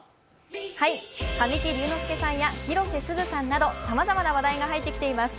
神木隆之介さんや広瀬すずさんなど、さまざまな話題が入ってきています。